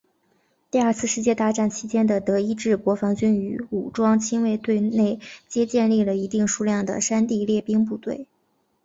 第二次世界大战期间的德意志国防军与武装亲卫队内皆建立了一定数量的山地猎兵部队。